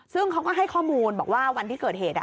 ซึ่งเขาก็ให้ข้อมูลบอกว่าวันที่เกิดเหตุ